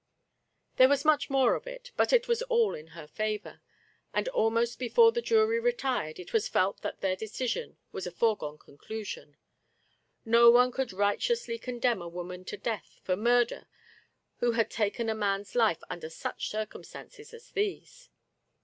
There was much more of it, but it was all in her favor, and almost before the jury retired it was felt that their decision was a foregone con clusion. No one could righteously condemn a woman to death for murder who had taken a man's life under such circumstances as these.